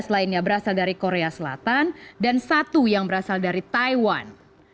dua belas lainnya berasal dari korea selatan dan satu yang berasal dari taiwan